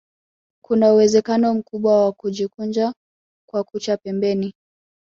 Kuna uwezekano mkubwa wa kujikunja kwa kucha pembeni